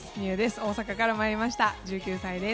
大阪から来ました、１９歳です。